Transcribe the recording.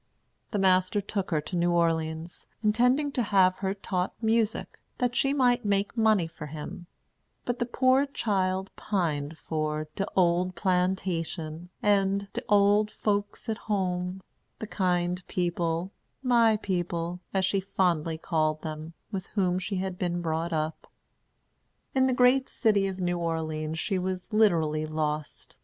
The master took her to New Orleans, intending to have her taught music, that she might make money for him; but the poor child pined for "de ole plantation" and "de ole folks at home," the kind people "my people," as she fondly called them with whom she had been brought up. In the great city of New Orleans she was literally lost.